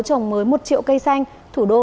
trồng mới một triệu cây xanh thủ đô